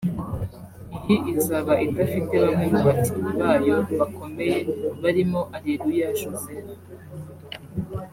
iyi izaba idafite bamwe mu bakinnyi bayo bakomeye barimo Areruya Joseph